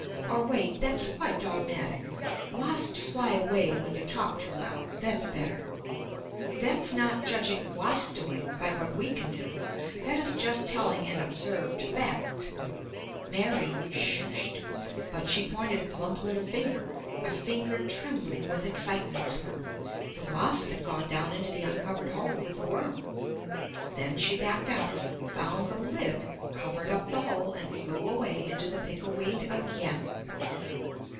Or, wait; that's quite dogmatic. Wasps fly away when you talk too loud. That's better. That's not judging wasp doing by what we can do. That is just telling an observed fact. Mary "ssh" ed, but she pointed a plump little finger; a finger trembling with excitement. The wasp had gone down into the uncovered hole with the worm. Then she backed out, found the lid, covered up the hole and flew away into the pickle weed again!